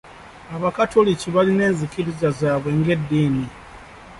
Abakatoliki balina enzikiriza zaabwe ng'eddiini.